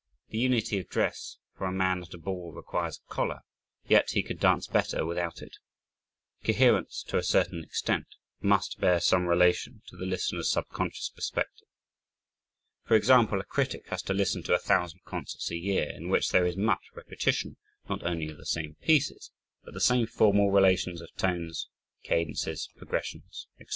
The "unity of dress" for a man at a ball requires a collar, yet he could dance better without it. Coherence, to a certain extent, must bear some relation to the listener's subconscious perspective. For example, a critic has to listen to a thousand concerts a year, in which there is much repetition, not only of the same pieces, but the same formal relations of tones, cadences, progressions, etc.